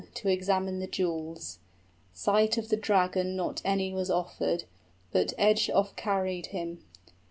} 20 To examine the jewels. Sight of the dragon Not any was offered, but edge offcarried him.